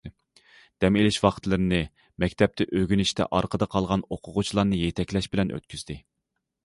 دەم ئېلىش ۋاقىتلىرىنى مەكتەپتە ئۆگىنىشتە ئارقىدا قالغان ئوقۇغۇچىلارنى يېتەكلەش بىللە ئۆتكۈزدى.